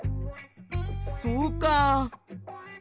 そうか。